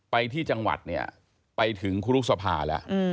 ไปที่จังหวัดเนี่ยไปถึงครูรุษภาแล้ว